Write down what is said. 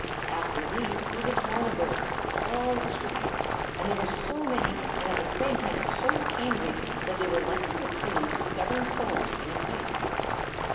After these flew the smaller birds, of all descriptions, and they were so many and at the same time so angry that they were likely to prove stubborn foes in a fight.